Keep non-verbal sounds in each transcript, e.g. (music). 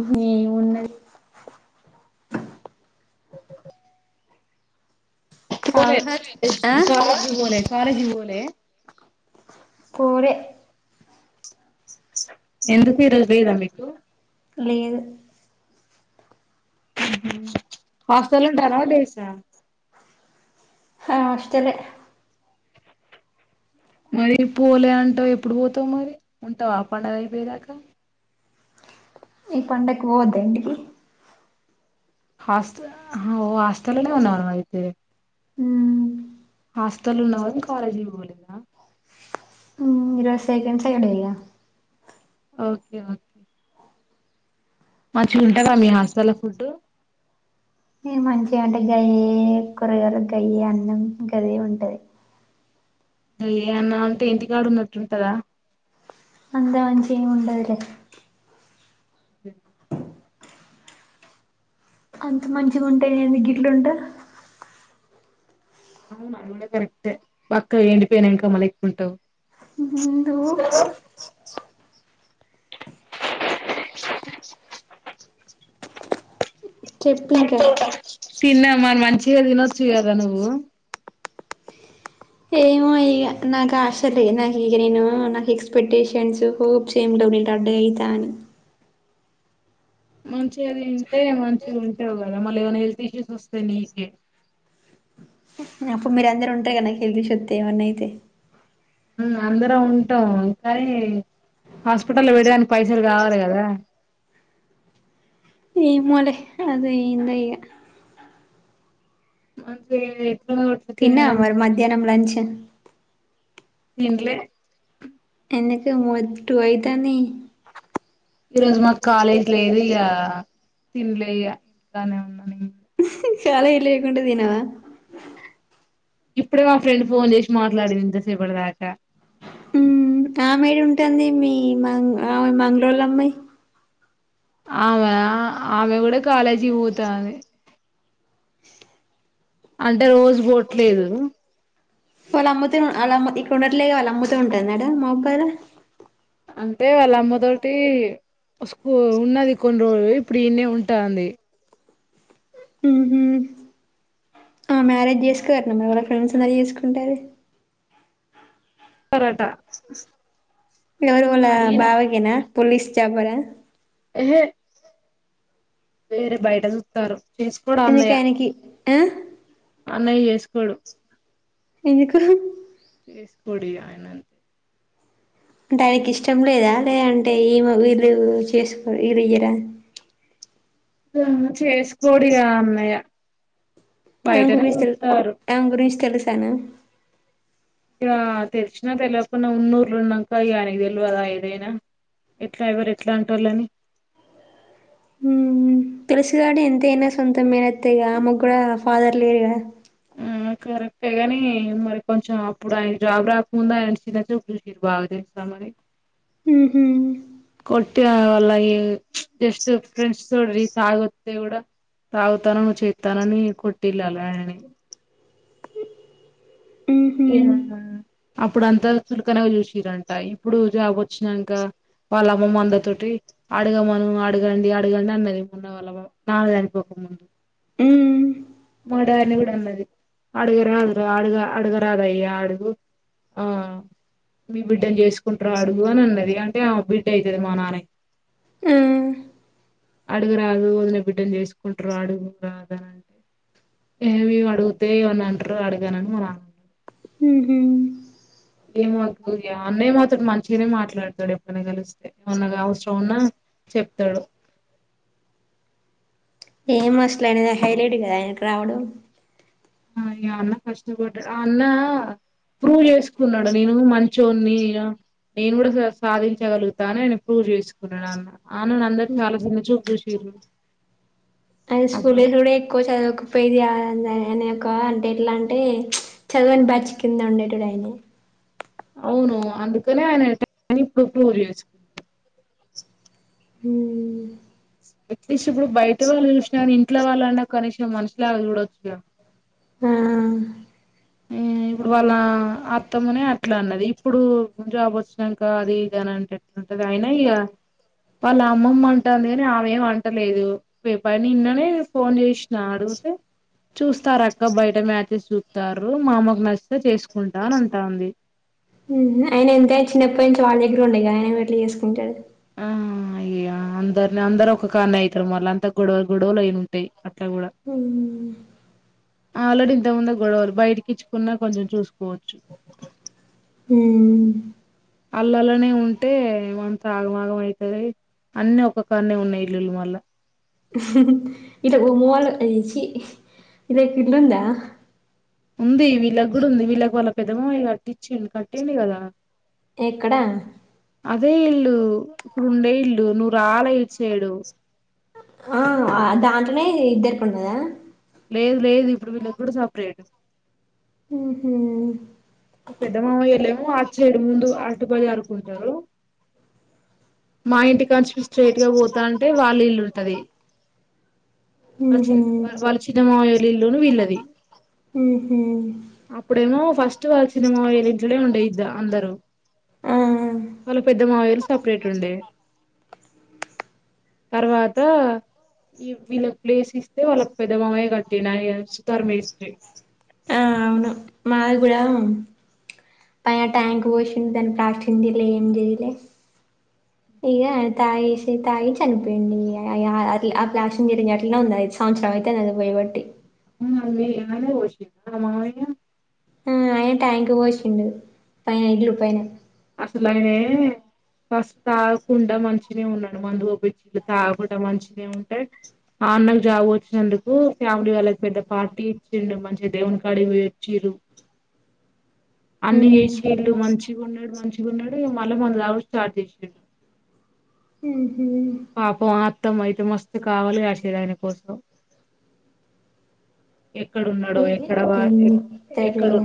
ఉహు ఏం ఉన్నది. పోలే కాలేజ్ ఆ కి కాలేజీ కి బోలే కాలేజీ బోలే కోరే ఎందుకు ఈరోజు లేదా మీకు లేదు ఉహుమ్ హాస్టల్లో ఉంటారా డేసా హ హాస్టలే మరి పోలే అంటావ్ ఎప్పుడు పోతావు మరి ఉంటావ, పండగ అయిపోయెదాకా ఈ పండక్కి పోవద్దా ఇంటికి హాస్ట ఓ హాస్టల్లోనే ఉన్నావనం అయితే హూ హాస్టల్ ఉన్నవ్ గానీ కాలేజ్ కి పోలేదా హు ఈ రోజు సెకండ్ సాటర్డే గా ఓకే ఓకే మంచిగా ఉంటదా మీ హాస్టల్ల ఫుడ్ ఇగ మంచిగా అంటే గయ్యే కూరగాలు గయ్యే అన్నం గదే ఉంటది అ ఏ అన్న అంటే ఇంటి కాడు ఉన్నట్టుంటదా అంత మంచి ఏం ఉండద్ లే అంత మంచిగా ఉంటే ఏంది గిట్ల ఉంట అవును అది కూడా కరెక్ట్ ఏ బక్కగా ఎండిపోయిన ఎంకమ్మ లెక్క ఉంటవ్ నువ్వు చెప్పు ఇంకా తిన్నామన్ మన్ మంచిగా తినొచ్చు కదా నువ్వు ఏమో ఇగ నాకు ఆశ లే, నాకు ఇగ నేను నాకు ఎక్స్పెక్టేషన్స్ హోప్స్ ఏం ఉండవ్ నేన్ ఇట్ట అడ్డ గా అయితా అని. మంచిగా తింటే మంచి గా ఉంటావు గదా, మళ్ ఏమనా హెల్త్ ఇష్యూస్ వస్తయి నీకే. నప్పు మీరందరు ఉంటరేగా నాక్ ఎదురుశెత్తి ఏమన్న అయితే ఉమ్ అందరం ఉంటాం కానీ హాస్పిటల్ పోయడానికి పైసలు కావాలి కదా ఏమోలే అది ఏందయా అంటే తిన్నవా మరి మధ్యాహ్నం లంచ్ ఇంట్లే అందుకేమో టూ అయితాంది ఈ రోజు మాక్ కాలేజ్ లేదు ఇగ తిన్ లేయా ఇంటికానే ఉన్నా నేను కాలేజీ లేకుంటే తినవా ఇప్పుడే మా ఫ్రెండ్ ఫోన్ చేసి మాట్లాడిందింతసేపటిదాకా హ్ ఆమె ఏడ ఉంటాంది మీ మంగ్ ఆమె మంగ్ లో ల అమ్మాయి ఆమె ఆమె కూడా కాలేజీ పోతాది అంటే రోజూ పోవట్లేదు వాలమ్ముతే ఆలమ్మ ఇక్ ఉండట్లే వాళ్ళమ్మతో ఉంటది మేడం మోకారు అంటే వాళ్ళ అమ్మ తోటి స్కూ ఉన్నది కొన్ని రోజులు ఇప్పుడు ఈన్నే ఉంటాంది ఆ మ్యారేజ్ చేసుకోరు ఎవరో ఫ్రెండ్స్ నా చేసుకుంటాది పరాట ఎవరు వాళ్ళ బావకేన పోలీస్ చాబర్ హ ఏహే వేరే బయట చూత్తారు చేసుకోడా అన్నయ్య యా అన్నయ్య చేసుకోడు ఎందుకు ఏసుకోడిగ ఆయనంతే అంటే ఆయనకి ఇష్టం లేదా లే అంటే ఈమె వీళ్ళు చేసుకో వీళ్ళ ఇయ్యరా తుంది చేసుకోడిగ అన్నయ్య (inaudible) బయటనే చూస్తారు అమె గురించి తెలుస్ తన ఇక తెలిసినా తెలియకుండా ఉన్నూర్లో ఉన్నాక ఈనకి తెలిదా ఏదైనా ఎట్లా ఎవరు ఎట్లాంటోల్లు అని హ్మ్మ్ తెలుసు గానీ ఎంతైనా సొంత మేనత్తె అమగ్ కూడా ఫాథర్ లేడు గా ఆ కరెక్టే గాని మరి కొంచెం అప్పుడు ఆయన జాబ్ రాకముందు ఆయన చిన్న చూపు బాగా తెల్సా మరి ఉహు అలా వాళ్ళు ఇగ జస్ట్ ఫ్రెండ్స్ తోటి తాగి వస్తె తాగుతున్నావ్ నువు చెత్తన్నావ్ అని కొట్టిండ్లు వల్ల ఆయనని ఊహూ అప్పుడ అంతా చులకనగా చూసిరంట ఇప్పుడు జాబ్ వచ్చినాక వాళ్ళమ్మమ్మ అందరి తోటి ఆడగమను అడగండి అడగండి అన్నది మొన్న వాళ్ళ నాన్న చనిపోక ముందు మ్మ్ మా డాడీ నీ కూడా అన్నది అడగరాదు అడుగ అడగరాదయ అడుగు ఆ మీ బిడ్డని చేసుకుంటారు అడుగు అని అన్నది అంటే ఆమె బిడ్డ అవుతుది మా నాన్నకి ఆ అడుగురాదు వదిన బిడ్డని చేసుకుంటారు అడుగు రాదునింటే ఏమి అడుగుతే ఏవని అంటారు అడిగానని మన అ ఉహు ఏమోదు అన్న ఏమోతాడు మంచిగానే మాట్లాడతాడు ఎప్పుడనా కలిస్తే ఏమన్నా అవసరం ఉన్నా చెప్తాడు ఏం అసలుయిన హైలైట్ కదా ఆయనకి రావడం ఆ అన్న కష్టపడ్డు ఆ అన్న ప్రూవ్ చేసుకున్నాడు నేను మంచోన్ని నేను కూడా సాధించగలుగుతా అని ఆ ప్రూవ్ చేసుకున్నాడు అన్న అన్న అందరు చాలా చిన్న చూపు చూసిర్రు ఆయన స్కూల్ అప్పుడు డేస్ లో కూడా ఎక్కువ చదువుకపోయిదియా అనే ఒక అంటే ఎట్లా అంటే చదువని బ్యాచ్ కింద ఉండేటోదు ఆయనే అవును అందుకనే ఆయన ఇప్పుడు ఫరు చేసుకు హ్మ్మ్ ఎట్లీస్ట్ ఇప్పుడు బయట వాళ్ళు చూసిన కానీ ఇంట్లో వాళ్ళన్నా కనీసం మనుషిలా చూడొచ్చు ఆ ఇప్పుడు వాళ్ళ అత్తమ్మనే అట్లా అన్నది ఇప్పుడు జాబ్ వచ్చినాక అది ఇదని అంటే ఎట్లా అంటది అయినా ఇక వాళ్ళ అమ్మమ్మ అంటుంది కాని ఆమె ఏం అంటలేదు నిన్ననే ఫోన్ చేసినా అడిగితే చూస్తారు అక్క బయట మ్యాచెస్ చూస్తారు మా అమ్మకు నచ్చితే చేసుకుంటా అని అంటాంది ఆయన ఎంత చిన్నప్పయి నుంచి వాళ్ళ దగ్గర ఉండేగా ఆయన ఎట్లా చేసుకుంటాడు ఆ అయ అందరిని అందరుూ ఒక కాన్న అవుతారు మళ్ళ అంత గొడవలు గొడవలు అయిన ఉంటాయి అట్లా కూడా హ్మ్. ఆల్రెడీ ఇంత ముందు గొడవలు బయటికి ఇచ్చుకున్నా కొంచెం చూసుకోవచ్చు హ్మ్మ్ అల్లలోనే ఉంటే మంత ఆగమాగం అవుతది అన్నిీ ఒక్కొక్కనే ఉన్నాయి ఇల్లుళ మళ్ళ ఇగ గుమ చి ఇళ్ళకు ఇళ్ళు ఉందా ఉంది వీళ్ళకి కూడా ఉంది వీళ్ళకి వాళ్ళ పెద్ద మామయ్య కట్టించాడు కట్టిండు కదా ఎక్కడ? అదే ఇల్లు ఇప్పుడుండే ఇల్లు నువ్వు రాల ఇటు సైడ్ ఆ దాంట్లోనే ఇద్దరు ఉండద లేదు లేదు ఇప్పుడు వీళ్ళకి కూడా సపరేట్. ఉమ్ పెద్ద మామ వెళ్ళలేమో అటు సైడ్ ముందు అటు బజార్ పోతారు మా ఇంటికి స్ట్రైట్ గా పోతారంటే వాళ్ళ ఇల్లు ఉంటది వాళ్ళ చి హుహు. వాళ్ళ చిన్న మామా ఇల్లున వీళ్ళది హుహు. అప్పుడేమో ఫస్ట్ చిన్న మామయ్య వల్ల ఇంట్లనే ఉండే ఇద్దా అందరూ ఆ. వాళ్ళ పెద్ద మామయ్య వాళ్ళు సెపరేట్ ఉండే తర్వాత ఈ వీళ్ళకి ప్లేస్ ఇస్తే వాళ్ళ పెద్ద మామయ కట్టిండు ఆయన సుతర్ మేస్తే ఆ అవును మాది కూడా పైన ట్యాంక్ పోసింది దాని ప్లాస్టిన్ తిరిలే ఏం జరిలే ఇక తాగి వేసి తాగి చనిపోయింది అ ఆ ప్లాస్టిన్ జిరిగిన అట్లా ఉంది ఐదు సంవత్సరం అయితే అది పోయబట్టి అ అమ్మీ ఎన ోషి మామ ఆహ్ మా అయ్యా ట్యాంక్ పోసిండు పైన ఇల్లు పైన. అసలుయియె ఫస్ట్ తాగకుండా మంచినే ఉన్నాడు. మందు ఒపించి తాగకుండా మంచినే ఉంటే మా అన్నకు జాబు వచ్చినందుకు ఫ్యామిలీ వాళ్ళకి పెద్ద పార్టీ ఇచ్చిండు మంచిగా దేవునికాడ పోయెచ్చిండ్ర్. అన్ని ఉమ్ చేసి ఇళ్ళు మంచిగా ఉన్నాడు మంచి ఉన్నాడు మళ్ళా మందు తాగడం స్టార్ట్ చేసిండు. ఉమ్ పాపత్ మొత్తం అయితే మస్తు కావాలి ఆసిండ్రు ఆయన కోసం ఎక్కడున్నాడో ఇగ ఎక్కడ వాయ ఏం చెప్తారు ఎక్కడ ఇగ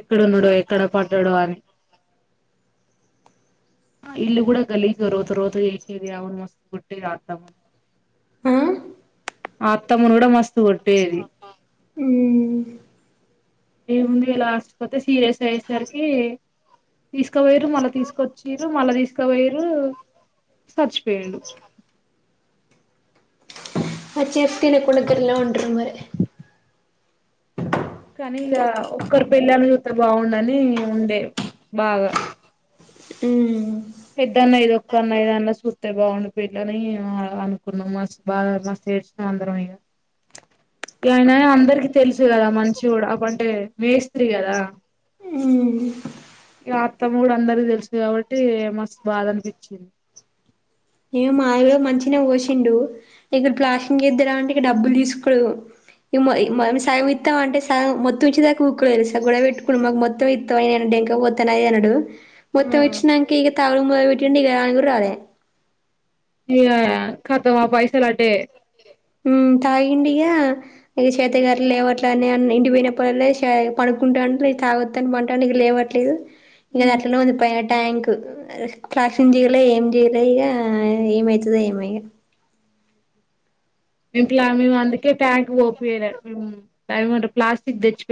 ఎక్కడున్నాడో ఎక్కడ పడ్డాడో అని. ఇల్లు కూడా గలీజ్ గా రోత రోత చేసిర్రు ఆమెను మస్తు కొట్టిండ్రు అడ్డం. ఆహ్ అత్తమ్మను కూడా మస్త్. ఉమ్ ముందుగల ఆస్పత్రి పోతే సీరియస్. ఇట్లా అయ్యే సరికి. తీసుకపోయిండ్రు మళ్ళా తీసుకొచ్చిండ్రు మళ్ళా తీసుకుపోయిండ్రు చచ్చిపోయిండు. అచ్చ సి తినకుండా ఇద్దరు ఇలా ఉంటారు మరి. కానీ ఇక ఒక్కరు పెళ్ళాం చూతరని బాగుండే అని ఉండే బాగా ఉమ్ పెద్దన్న ఇదొక్క అన్న ఏదన్న చూస్తే బాగుండు పెళ్ళి అని అనుకున్నాం మస్త్ బాగా మస్తు చేడ్చినాం అందరం ఇగ ఆయన అందరికి తెలుసు కదా మంచి కూడా అప్పు అంటే మేస్త్రి కదా ఉమ్ ఇక అత్తమ్మ కూడా అందరికి తెలుసు కాబట్టి మస్తు బాధ అనిపించింది. ఏ మావిలో మంచినే పోసిండు ఇక్కడ ప్లాస్టింగ్ ఇద్దాం అంటే ఇగ డబ్బులు తీసుకోడు ఇగ సగం ఇస్తా అంటే మొత్తం ఇచ్చే దాకా ఉక్కోడు తెలుస గొడవ పెట్టుకునాడు మాకు మొత్తం ఇస్తావనే డెక పోతానే అనడు మొత్త ఇచ్చినాంక ఇక తాగుడు చున్నీక రాను కూడ రాలే. ఇంకా కతము ఆ పైసలు అటే. తాగిండి ఇక ఇక చేత గారు లేవట్లేని ఇంటి పోయినప్పుడల్ల పడకుంటుండు తాగోద్ అని పండుండు ఇక లేవట్లేదు. నేను అట్లనే ఉంది పైన ట్యాంక్ క్లాక్షింగ్ జయలే ఏం చేయలే ఇక ఏమవుతదో ఏమో ఇంకా. మలా మేము అందుకే ట్యాంక్ ఒపియలే ఆహ్ మరి ప్లాస్టిక్ తెచ్చు.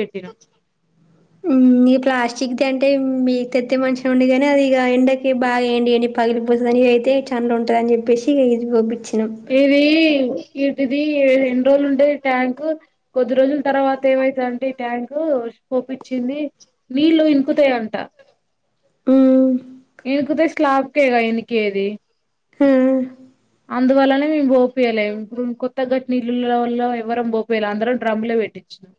ఉమ్ ఈ ప్లాస్టిక్ చికితే అంటే మీ తెత్తే మనిషి ఉండుగానీ అది ఇక ఎండకి బాగాయండి ఎండి పగిలిపోతుంది అనివి అయితే చను ఉంటుంది అని చెప్పేసి ఇక ఇది పబించి ఏది ఏటిది రెండు రోజులు ఉండే ట్యాంక్ కొద్ది రోజుల తర్వాత ఏమైతంటే ఈ ట్యాంక్ పోపిచ్చింది నీళ్లు ఇనుకుతయంట ఉమ్ లేకపోతే స్లాప్ కేగా ఎనికేది. ఉమ్ అందువల్లనే మేము పోపీయలేము ఇప్పుడు కొత్త గట్టిన ఇళ్ళలో ఎవ్వరం పోపియాలేం. అందరం డ్రమ్ లే పెట్టించినాం.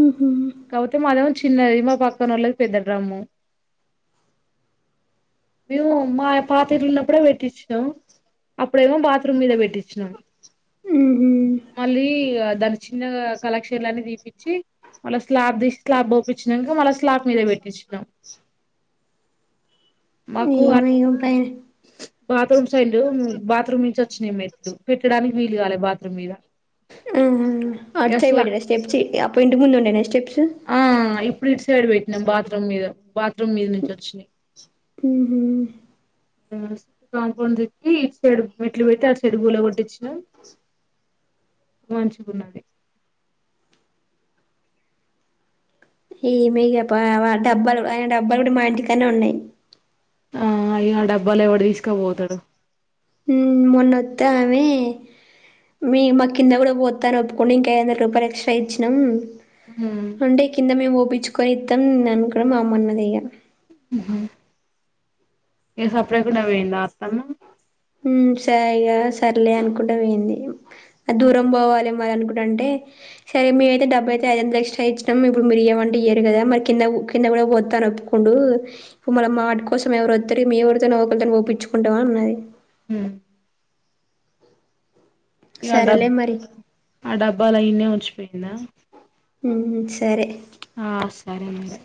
ఊహూ కాకపోతే మరిన్ చిన్నది మా పక్కన వాళ్ళకి పెద్దడ్రమ్ము మేము మా పాతరిల్లు ఉన్నప్పుడే పెట్టించినం అప్పుడేమో బాత్రూమ్ మీద పెట్టించినాం ఊహూ మళ్ళీ దాని చిన్న కలెక్షన్లన్నీ తీపించి. మళ్ళా స్లాబ్ తీసి స్లాబ్ ఒపించినక మళ్ళా స్లాబ్ మీద పెట్టించినాం. మాకు ఏమో ఇగ పైన బాత్రూమ్ సైడ్ బాత్రూమ్ నుంచి వచ్చినవి మెట్లు పెట్టడానికి వీలు కాలే బాత్రూమ్ మీద. ఆహా అటు సైడ్ గస్లా పేంటీనే స్టెప్స్ ఆహ్ ఇపు ముందు ఉండేనే స్టెప్స్ ఇప్పు ఇటు సైడ్ పెట్నాం బాత్రూమ్ మీద బాత్రూమ్ మీద నుంచి వచ్చినాయి. ఉమ్ ుట్ కాంపౌండ్ తిట్టి ఇ సైడ్ మెట్లు పెట్టి ఆ సైడ్ పూల కొట్టించిన మంచిగ్ ఉన్నది ఈ మీగె ప డబ్బాలు ఆయన డబ్బాలు కూడా మా ఇంటికానే ఉన్నాయి ఆ అయ్య ఆ డబ్బాలు ఎవడొ తీసుక పోతాడు మొన్నొసై ఆమె మీ మా కింద కూడా పోస్తాను ఒప్పుకుని ఇంకా ఐదు వందల రూపాయలు ఎక్స్ట్రా ఇచ్చినాం హు అంటే కింద మేము ఒపించుకొని ఇస్తాం ననుకో మా అమ్మన్నదియ్య ఏ సప్పడే కూడ పోయంద ఆత్తమ్మ ఉమ్ సరెగా సర్లే అనుకుంటే పోంది అ దూరం పోవాలి మరి అనుకుంట అంటే సరే మీరైతే డెబ్బై అయితే ఐదు వందల ఎక్స్ట్రా ఇచ్చినాము ఇప్పుడు మీరు ఏమంటే ఇయ్యరు కదా మరి కింద కింద కూడా పోస్తా అని ఒప్పుకుండు ఇప్పుడు మళ్ళ మాటి కోసం ఎవరు వస్తారు మే ఎరితో ఒకకలతోని పించుకుంటాం అని అన్నది హుమ్ ఇ ఆ డబ్ సరేలే మరి ఆ డబ్బాలయన్నె వచ్చిపోయిందా ఉమ్ సరే ఆ సరె మరి